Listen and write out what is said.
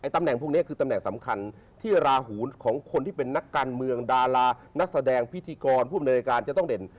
ตำแหน่งพวกนี้คือตำแหน่งสำคัญที่ราหูของคนที่เป็นนักการเมืองดารานักแสดงพิธีกรผู้อำนวยการจะต้องเด่น